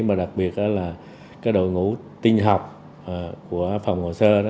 mà đặc biệt là đội ngũ tinh học của phòng hồ sơ